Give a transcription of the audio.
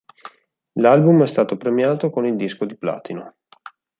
L'album è stato premiato con il Disco di Platino.